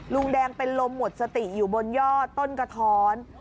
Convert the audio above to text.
ลุงแดงเป็นลมหมดสติอยู่บนยอดต้นกระท้อน